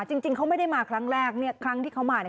จริงจริงเขาไม่ได้มาครั้งแรกเนี่ยครั้งที่เขามาเนี่ย